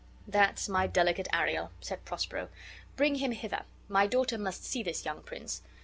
"That's my delicate Ariel," said Prospero. "Bring him hither: my daughter must see this young prince.